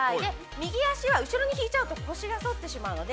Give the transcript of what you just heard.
右足は後ろに引いちゃうと、そってしまうので、腰が反ってしまうので。